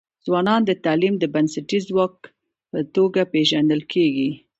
ځوانان د تعلیم د بنسټیز ځواک په توګه پېژندل کيږي.